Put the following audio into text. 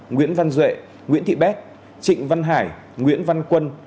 nguyễn văn duệ nguyễn thị bét trịnh văn hải nguyễn văn quân